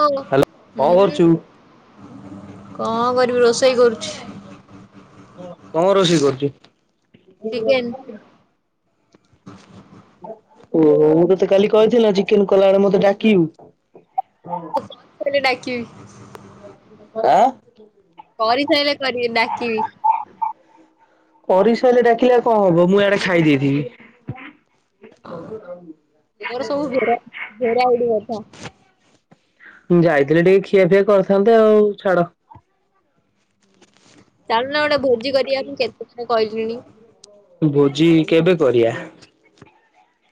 ହଁ ହ୍ୟାଲୋ କଣ କରୁଛୁ? କଣ କରିବି ରୋଷେଇ କରୁଛି। କଣ ରୋଷେଇ କରୁଛୁ ଚିକେନ ଓ ମୁଁ ତତେ କାଲି କହିଥିଲି ଚିକେନ୍ କଲାବେଳେ ମତେ ଡାକିବୁ [unintelligible] ଡାକିବି ଆଁ କରିସାଇଲେ କରିବି ଡାକିବି। କରିସାଇଲେ ଡାକିଲେ କ'ଣ ହବ ମୁଁ ଆଡେ ଖାଇ ଦେଇଥିବି। ତ ତର ସବୁ ଘେରା ଘେରା ଉଡିବଥା ମୁଁ ଯାଇଥିଲି ଟିକେ ଖିଆ ପିଆ କରିଥାନ୍ତେ। ଆଉ ଛାଡ ଚାଲୁ ନା ଗୋଟେ ଭୋଜି କରିବା ମୁଁ କେତେ ଦିନୁ କହିଲିଣି। ଭୋଜି କେବେ କରିଆ?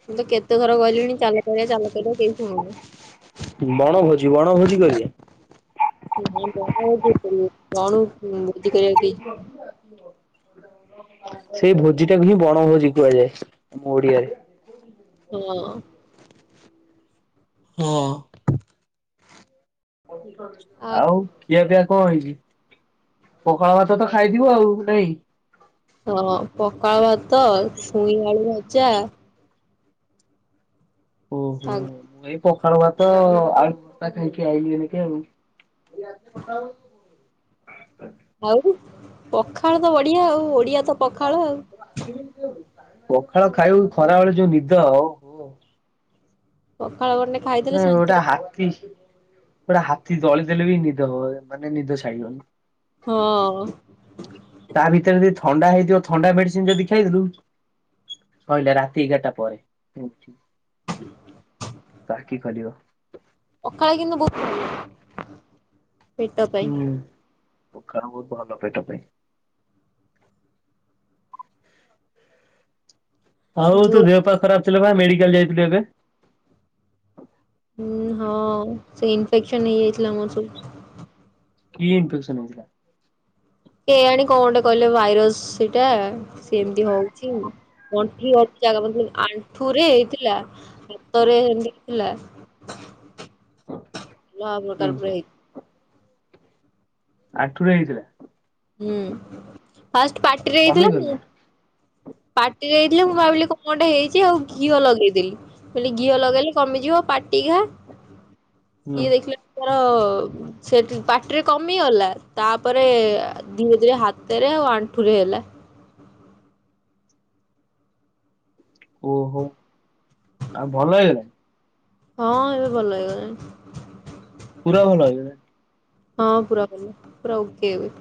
ମୁଁ ତ କେତେଥର ଗଲିଣି ଚାଲ କରିବା ଚାଲ କରିବା କେହି ଶୁଣୁନ। ବଣଭୋଜି ବଣଭୋଜି କରିବା। ନାଣ କଣ ବୋଝି କରିବା କି [unintelligible] ହ [unintelligible] ସେଇ ଭୋଜି ଟାକୁ ହିଁ ବଣ ଭୋଜି କୁହାଯାଏ ଆମ ଓଡିଆରେ। ହଁଅଁ। ହଁଅଁ ଆଉ ଖିଆ ପିଆ କ'ଣ ହେଇଛି? ପଖାଳ ଭାତ ତ ଖାଇଥିବ ଆଉ ନାଇଁ! ହଁ ପଖାଳ ଭାତ ଛୁଇଁ ଆଳୁ ଭଜା ଓହୋ ଶାଗ ମୁଁ ଏ [unintelligible] ପଖାଳ ଭାତ ଆଳୁ ଭର୍ତ୍ତା ଖାଇକି ଆଇଲି ଏଇନକେ ଆଉ। ଆଉ ପଖାଳ ତ ବଢିଆ ଆଉ ଓଡିଆ ତ ପଖାଳ ଆଉ ପଖାଳ ଖାଇବ ଖରା ବେଳେ ଯୋଉ ନିଦ ଆଉ ପଖାଳ ଗୋଟେ ନ ଏଡା ହାକୀ [unintelligible] ପୁରା ହାତୀ ଦଳିଦେଲେ ବି ନିଦ ହ ମାନେ ନିଦ ଛାଡିବନି। ହଁଅଁ ତା ଭିତରେ ଯଦି ଥଣ୍ଡା ହେଇଥିବ ଥଣ୍ଡା ମେଡିସିନ ଯଦି ଖାଇଦେଲୁ। କହିଲା ରାତି ଏଗାରଟା ପରେ। [unintelligible] ମକାଳେ କିନ୍ତ ବ [unintelligible] ହୁଁ କାର ବହୁତ ଭଲ ପେଟ ପାଇଁାଇ [unintelligible] [unintelligible] ଆଉ ତୋ ଯୋଉ ଦେହ ପା ଖରାପ ଥିଲା ବା ମେଡିକାଲ ଯାଇଥିଲୁ ଏବେ? ଉଁ ହଁ ସେଇ ଇନଫେକ୍ସନ ହେଇଯାଇଥିଲା ମୋର ସବୁ। କି ଇନଫେକ୍ସନ ହଉଥିଲା। କେ ଜାଣି କ'ଣଗୋଟେ କହିଲେ ଭାଇରସ ସେଇଟା। ସେ ଏମିତି ହଉଛି ଗଣ୍ଠି ହ ଜାଗା ବ ଆଣ୍ଠୁ ରେ ହେଇଥିଲା ହାତରେ ନଇଥିଲା [unintelligible] ଲା ପ୍ରକାର ହୁଁ ପ୍ର ହେ [inaudible] ଆଣ୍ଠୁ ରେ ହେଇଥିଲା। ହୁଁ ଫାଷ୍ଟ ଆଉ ସେ ପାର୍ଟିରେ ହେଇଥିଲା କମିଗଲା ମୁଁ ପାଟିରେ ହେଇଥିଲା ମୁଁ ଭାବିଲି କଣଟେ ହେଇଚି ଆଉ ଘିଅ ଲଗେଇଦେଲି। କହିଲେ ଘିଅ ଲଗେଇଲେ କମିଯିବ ପାଟି ଘା ହୁଁ ସିଏ ଦେଖିଲା ତାର ସେଠି ପାଟିରେ କମିଗଲା ତାପରେ ଧୀରେ ଧୀରେ ହାତରେ ଆଉ ଆଣ୍ଠୁ ରେ ହେଲା। ଓହୋ ଆଉ ଭଲ ହେଇଗଲା। ହଁ ଏବେ ଭଲ ହେଇଗଲାଣି। ପୁରା ଭଲ ହେଇଗଲା। ହଁ ପୁରା ଭଲ ପୁରା ଓକେ ଏବେ।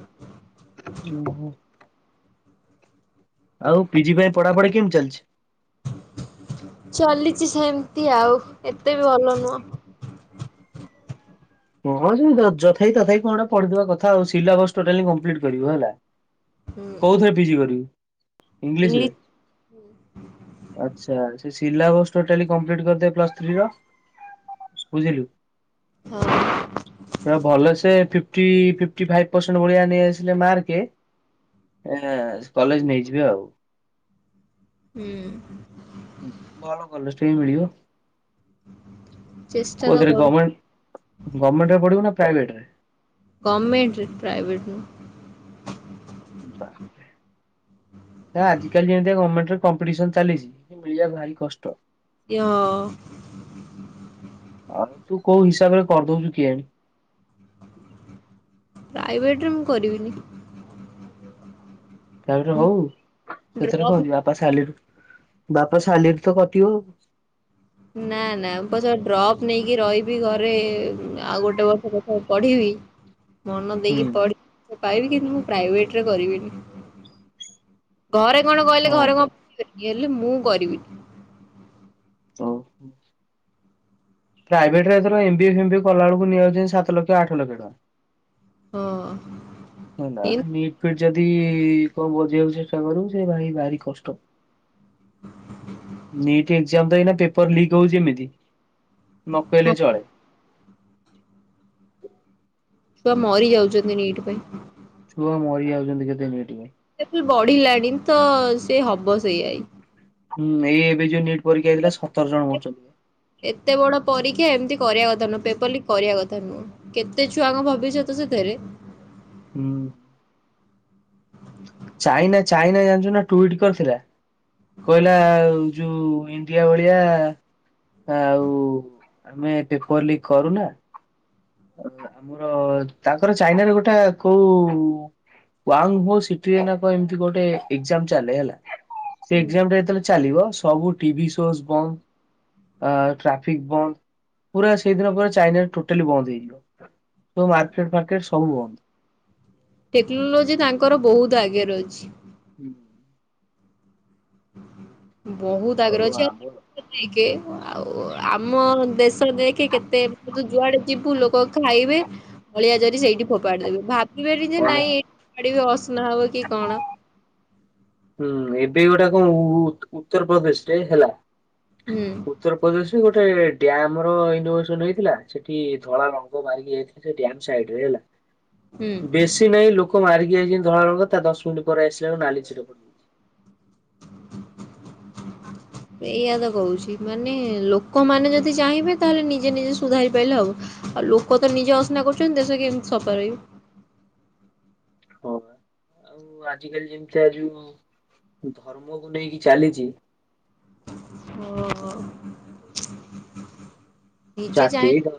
[inaudible] ଆଉ ପିଜି ପାଇଁ ପଢାପଢି କେମିତି ଚାଲିଚି? ଚଲିଛି ସେମିତି ଆଉ ଏତେ ବି ଭଲ ନୁହଁ। ହଁ ଯଥାଇି ତଥାଇି କଣଟା ପଢିଥିବା କଥା ଆଉ ସିଲାବସ ଟୋଟାଲି କମ୍ପ୍ଲିଟ କରିବ ହେଲା। ହୁଁ। କୋଉଥିରେ ପିଜି କରିବୁ ଇଂଲିଶ ଇଂଲିଶରେ। [inaudible] ଆଚ୍ଛା ସେ ସିଲାବସ ଟେଲି କମ୍ପିଟି କରିଦ ପ୍ଲସ୍ ଥ୍ରୀର। ବୁଝିଲୁ? ହଁ। ପୁରା ଭଲ ସେ ଫିଫ୍ଟି ଫିଫ୍ଟି ଫାଇଭ ପ୍ରସେଣ୍ଟେ ଭଳିଆ ନେଇ ଆସିଲେ ମାର୍କେ। ଏଇନା କଲେଜ ନେଇଯିବେ ଆଉ। ହୁଁ। ଭଲ କଲେଜ ଟେ ବି ମିଳିବ। ଚେଷ୍ଟା ତ କୋଉଥିରେ କରୁ ଗମେଣ୍ଟ ଗମେଣ୍ଟରେ ପଢିବୁନା ପ୍ରାଇଭେଟରେ? ଗମେଣ୍ଟ ରେ ପ୍ରାଇବେଟ ନୁହେଁ। ବାପ ରେ। ଯା ଆଜିିକାଲି ଯେମିତି ଗମେଣ୍ଟରେ କମ୍ପିଟିସନ ଚାଲିଛି ମିଳିବା ଭାରି କଷ୍ଟ। ଇୟ ଆଉ ତୁ କୋଉ ହିସାବରେ କରିଦଉଛୁ କିଆଣି। ପ୍ରାଇଭେଟ୍ରରେ ମୁଁ କରିବିନି। ପ୍ରାଇଭେଟାରେ ହଉ ସେଥିରେ ଡ୍ରପ୍ କଣ ଅଛି ବାପା ସାଲିର୍ ବାପା ସାଲିର୍ ତ କଟିବ। ନା ନା ମୁଁ ପଛେ ଡ୍ରପ୍ ନେଇକି ରହିବି ଘରେ ଆଉ ଗୋଟେ ବର୍ଷ ପଛରେ ପଢିବି। ମନ ଦେଇକି ହୁଁ ପଢି ପାଇବି କିନ୍ତୁ ମୁଁ ପ୍ରାଇଭେଟରେ କରିବିନି। ଘରେ କଣ କହିଲେ ହଁ ଘରେ ପା କ ହେଲେ ମୁଁ କରିବି। ହଉ। ପ୍ରାଇଭେଟରେ ଏଥର ଏମ୍ବିଏ ଫେମ୍ବିଏ କଲାବେଳକୁ ନେଇଯାଉଛନ୍ତି ସାତ ଲକ୍ଷ ଆଠ ଲକ୍ଷ ଟଙ୍କା। ହଁ ନା ଏମତି ନିଟ୍ ଯଦି କଣ ବଜେଇକୁ ଚେଷ୍ଟା କରୁ ସେ ଭାଇ ଭାରି କଷ୍ଟ। ନିଟ୍ ଏଯାମ ତ ଏଇନାକ ପେପର ଲିକ ହଉଛି ଏମତି ହଁ ନକହିଲେ ଚଳେ। ଛୁଆ ମରି ଯାଉଛନ୍ତି ନିଟ୍ ପାଇଁ। ଛୁଆ ମରି ଯାଉଛନ୍ତି କେତେ ନେଇ ନିଟ୍। କେତେ ବଢିଲାଣି ତ ସେ ହବ ସେୟାଇ। ହୁଁ ଏଇ ଏବେ ଯୋଉ ନିଟ୍ ପରୀକ୍ଷା ହେଇଥିଲା ସତର ଜଣ ମରିଛନ୍ତି। ଏତେ ବଡ ପରୀକ୍ଷା ଏମିତି କରିବା କଥା ନୁହଁ ପେପର ଲିକ୍ କରିବା କଥା ନୁହଁ। କେତେ ଛୁଆଙ୍କ ଭବିଷ୍ୟତ ସେଥିରେ। ହୁଁ। ଚାଇନା ଚାଇନା ଜାଣିଚୁନା ଟୁଇଟ୍ କରିଥିଲା? କହିଲା ଆଉ ଯୋଉ ଇଣ୍ଡିଆ ଭଳିଆ। ଆଉ ଆମେ ପେପର ଲିକ୍ କରୁନା। ଆମର ତାଙ୍କର ଚାଇନାରେ ଗୋଟା କୋଉ ୱନ୍ ବୋ ସିଟି ଏଇନା କ ଏମତି ଗୋଟେ ଏଜାମ୍ ଚାଲେ ହେଲା ସେ ଏଜାମ୍ ରେ ଯେତେଳେ ଚାଲିବ ସବୁ ଟିଭି ସୋସ୍ ବନ୍ଦ। ଆ ଟ୍ରାଫିକ୍ ବନ୍ଦ ପୁରା ସେଇଦିନ ପରା ଚାଇନା ଟୋଟାଲି ବନ୍ଦ ହେଇ [inaudible] ସବୁ ମାର୍କେଟ ଫାର୍କେଟ ସବୁ ବନ୍ଦ। ଟେକ୍ନୋଲୋଜି ତାଙ୍କର ବହୁତ ଆଗରେ ଅଛି। ହୁଁ। ବହୁତ ଆଗରେ ଆଉ ଅଛି। ଆମର [inaudible] ଆଉ ଆମ ଦେଶ ଯିଏକି କେତେ ଯୁଆଡେ ଯିବୁ, ଲୋକ ଖାଇବେ। ଅଳିଆ ଜରି ସେଇଠି ଫୋପାଡି ଦେବେ। ଭାବିବେନି ଯେ କଣ ନାହିଁ, [inaudible] ଅସନା ହବ କି କଣ। ହୁଁ, ଏବେ ଗୋଟା କଣ ଉତ୍ତରପ୍ରଦେଶ ରେ ହେଲା। ହୁଁ। ଉତ୍ତର ପ୍ରଦେଶରେ ଗୋଟେ ଡ୍ୟାମ ର ଇନୋଭସନ ହେଇଥିଲା। ସେଠି ଧଳା ରଙ୍ଗ ମାରିକି ସେଠି ଡ୍ୟାମ ସାଇଡ ରେ ହେଲା। ହୁଁ ବେଶୀ ନାହିଁ। ଲୋକ ମାରିକି ଯାଇ ଧଳା ରଙ୍ଗ ତ। ତା ଦଶ ମିନିଟ୍ ପରେ ଆସିଲାେ ନାଲି ଛିଟ ପଡିବ। [unintelligible] ଏଇଆ ତ କହୁଛି, ମାନେ ଲୋକମାନେ ଯଦି ଚାହିଁବେ, ତାହେଲେ ନିଜେ ନିଜେ ସୁଧାରି ପାଇଲେ ହବ। ଆଉ ଲୋକ ତ ନିଜେ ଅସନା କରୁଛନ୍ତି, ଦେଶ କେମିତି ସଫା ରହିବ? ହଁ। ଆଉ ଆଜିକାଲି ଯେମିତି ଯୋଉ, ଧର୍ମକୁ ନେଇକି ଚାଲିଛି। ନିଜେ ଜାତି ଚାହିଁ ଧ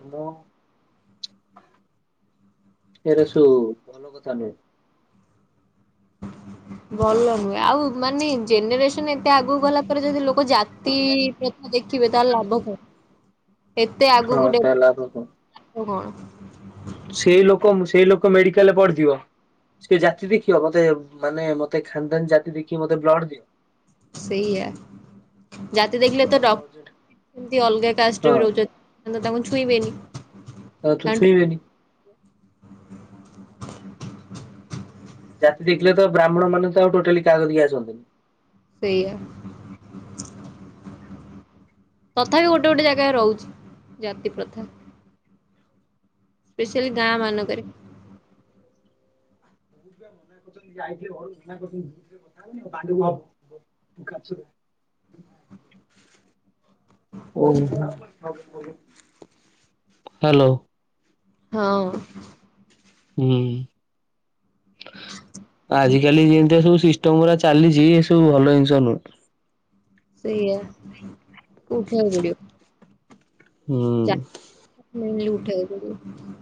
[inaudible] ଭଲ କଥା ନୁହେଁ। ଭଲ ନୁହେଁ ଆଉ। ମାନେ ଜେନେରେସନ ଏତେ ଆଗକୁ ଗଲା ପରେ ଯଦି ଲୋକ [unintelligible] ଦେଖିବେ, ତାର ଲାଭ ହଏ। ଏତେ ଆଗକୁ ହଁ ତାହେଲେ ଆପଣ କଣ [unintelligible] ସେଇ ଲୋକ ସେଇ ଲୋକ ମେଡିକାଲରେ ପଡ଼ିଥିବ। ସେ ଜାତି ଦେଖିବ ମୋତେ, ମାନେ ମତେ ଖାନଦାନ ଜାତି ଦେଖି ମତେ ବ୍ଲଡ ଦିଅ। ସେଇଆ, ଯାତି ଦେଖିଲେ ବ୍ଲଡ ଅର୍ଜେଣ୍ଟ [inaudible] ଅଲଗା ହଁ କାଷ୍ଟ ବି ରହୁଛନ୍ତି। ତ ତ ଛୁଇଁବେନି। ଓକେ, ତାଙ୍କ ଛୁଇବେନି। ଜାତି ଦେଖିଲେ ତ ବ୍ରାହ୍ମଣ ମାନେ ଆଉ ଟୋଟାଲି କା କତି ଆସନ୍ତିନି। ସେଇଆା। ତଥାପି, ଗୋଟେ ଗୋଟେ ଜାଗାରେ ରହୁଛି ଜାତି ପ୍ରଥା। ଏଇ ସେହି, ଗାଁ ମାନଙ୍କରେ। [inaudible] [inaudible] ? [inaudible] ହ୍ୟାଲୋ। ହଁ। ହୁଁ। ଆଜ କାଲି ଯେମିତିଆ ସବୁ ସିଷ୍ଟମ ପୁରା ଚାଲିଛି, ଏ ସବୁ ଭଲ ଜିନିଷ ନୁହଁ। ସେଇଆା, ଉଠେଇ ପଡିବ। ଜାତି ହୁଁ। [inaudible]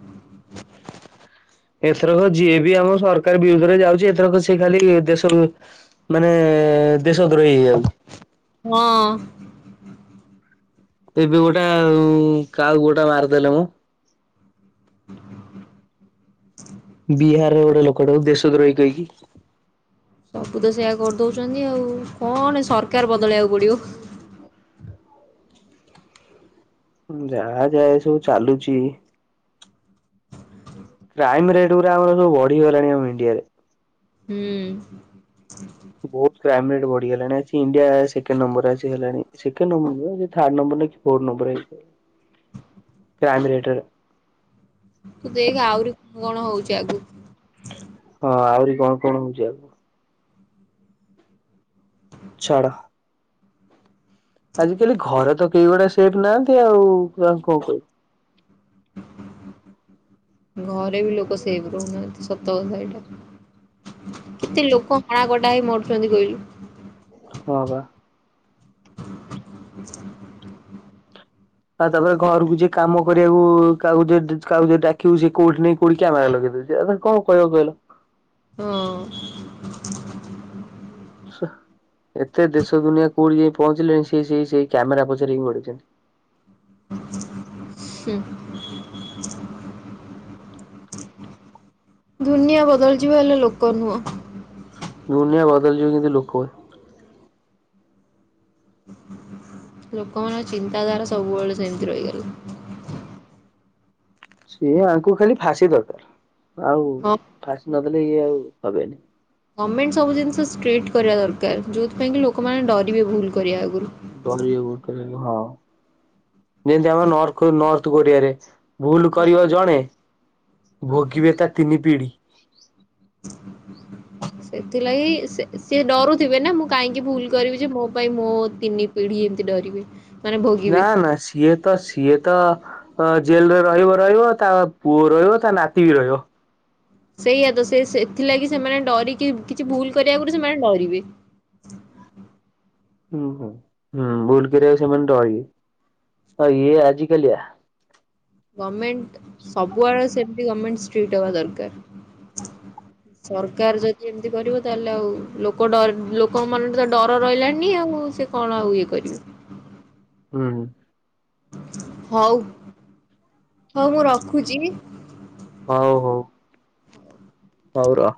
ଏଥରକ ଯିଏ ବି ଆମ ସରକାର ବିରୁଦ୍ଧରେ ଯାଉଛି, ଏଥରକ ସେ ଖାଲି ଦେଶରୁ ମାନେ, ଦେଶ ଦ୍ରୋହୀ ହେଇ ଆଉ। ହଁ। ଏବେ ଗୋଟେ କାହାକୁ ଗୋଟେ ମାରିଦେଲେ ମ ? ବିହାରରେ ଗୋଟେ ଲୋକଟାକୁ ଦେଶ ଦ୍ରୋହୀ କହିକି। ସବୁ ତ ସେଇୟା କରିଦଉଛନ୍ତି ଆଉ କଣ ସରକାର ବଦଳେଇବାକୁ ପଡିବ। ଯାହା ଯାଏ ଏ ସବୁ ଚାଲୁଛି। କ୍ରାଇମ ରେଟ୍ ଗୁରା ଆମର ସବୁ ବଢିଗଲାଣି ଆମ ଇଣ୍ଡିଆରେ। ହୁଁ। ହୁଁ। ବହୁତ କ୍ରାଇମ ରେଟ ବଢିଗଲାଣି ଆଜି ଇଣ୍ଡିଆ ସେକେଣ୍ଡ ନମ୍ବରରେ ଆ ହେଲାଣି ସେକେଣ୍ଡ ନମ୍ବର ଥାଡ ନମ୍ବର। Four number [unintelligible] ? କ୍ରାଇମ ରେଟରେ। ତୁ ଦେଖ ଆହୁରି କଣ ହଉଛି ଆଗକୁ। ହଁ ଆହୁରି କଣ କଣ ହଉଛି ଆଉ। ଆ ? ଛାଡ଼। ଆଜିକାଲି ଘରେ ତ କେଇଗୁଡା ସେଫ୍ ନାହାନ୍ତି ଆଉ କଣ କହିବ? ଘରେ ବି ଲୋକ ସେଫ ରହୁନାହାନ୍ତି ସତ କଥା ଏଇଟା। କେତେ ଲୋକ ହଣା ଗଡା ହେଇ ମରୁଛନ୍ତି କହିଲୁ? ହଁ ପା। ହ ହ ହ ଆଉ ତାପରେ ଘରକୁ ଯିଏ କାମ କରିବାକୁ କାହାକୁ ଡାକିବୁ ସେ କୋଉଠି ନେଇ କୋଉଠି କ୍ୟାମେରା ଲଗେଇଦଉଛି। କଣ କହିବ କହିଲ? ହଁ। ଏତେ ଦେଶ ଦୁନିଆ କୋଉଠି ଯାଇ ପହଞ୍ଚିଲେଣି ସେ ସେଇ ସେଇ କ୍ୟାମେରା ପଛରେ ପଡ଼ିଛନ୍ତି। ହୁଁ ଦୁନିଆ ବଦଳିଯିବ ହେଲେ ଲୋକ ନୁହଁ। ଦୁନିଆ ବଦଳି ଯିବ କିନ୍ତୁ ଲୋକ ଲୋକମାନଙ୍କ ଚିନ୍ତାଧାରା ସବୁବେଳେ ସେମିତି ରହିଗଲା। ସିଏ ଆଙ୍କୁ ଖାଲି ଫାଶୀ ଦରକାର ଆଉ ହଁ ଫାଶୀ ନଦେଲେ ଇଏ ଆଉ ହବନି। ଗମେଣ୍ଟ ସବୁ ଜିନିଷ ଷ୍ଟ୍ରିକଟ୍ କରିବା ଦରକାର ଯେଉଁଥିପାଇଁ କି ଲୋକମାନେ ଡରିବେ ଭୁଲ କରିବା ଆଗରୁ। ଯେମତି ଆମର ନର୍ଥ କୋରିଆରେ। ଭୁଲ ହଁ କରିବ ଜଣେ ଭୋଗିବେ ତା ତିନି ପିଢି। ହ ସେଥିଲାଗି ସିଏ ଡରୁଥିବେ ନା ମୁଁ କାହିଁକି ଭୁଲ କରିବି ଯେ ମୋ ପାଇଁ ମୋ ତିନି ପିଢ଼ି ଏମିତି ଡରିବେ। ମାନେ ଭୋଗିବେ। ନା ନା ସେ ସିଏ ତ ସିଏ ତ ଜେଲରେ ରହିବ ରହିବ ତା ପୁଅ ରହିବ ତା ନାତି ବି ରହିବ। ସେଇଆ ତ ସେ ସେଥିଲାଗି ସେମାନେ ଡରିକି କିଛି ଭୁଲ କରିବା ଆଗରୁ ସେମାନେ ଡରିବେ। ହୁଁ ହୁଁ ହୁଁ ଭୁଲ କରିବାକୁ ସେମାନେ ଡରିବେ ଆଉ ଇଏ ଆଜିକାଲିଆ ଗମେଣ୍ଟ ସବୁଆଡେ ସେମତି ଗମେଣ୍ଟ ଷ୍ଟ୍ରିଟ୍ ହବା ଦରକାର। ସରକାର ଯଦି ଯଦି କରିବ ତାହେଲେ ଆଉ ଲୋକ ଡ ଲୋକ ମନରେ ତ ଡର ରହିଲାଣିି ଆଉ ସେ କଣ ଆଉ ଇଏ କରିବେ? ହୁଁ। ହଉ ହଉ ମୁଁ ରଖୁଚି। ହଉ ହଉ। ହଉ ର।